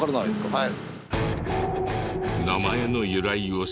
はい。